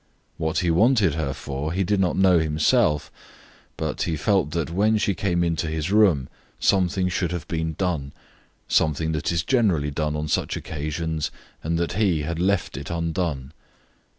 What he wanted her for he did not know himself, but he felt that when she came into his room something should have been done, something that is generally done on such occasions, and that he had left it undone.